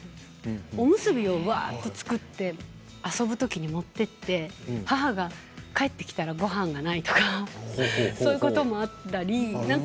おむすびをわっと作って遊ぶときに持っていて母が帰ってきたら、ごはんがないということもあったり